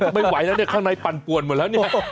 ไม่ไหวแล้วข้างในปั่นปวนหมดแล้ว